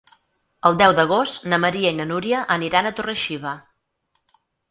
El deu d'agost na Maria i na Núria aniran a Torre-xiva.